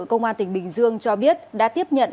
công an tỉnh bình dương cho biết đã tiếp nhận